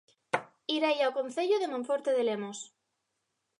Irei ao Concello de Monforte de Lemos